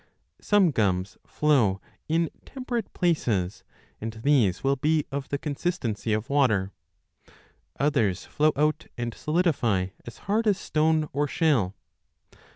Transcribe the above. Some gums flow in temperate places, and these will be of the consistency of water ; others flow out and solidify as hard as stone or shell.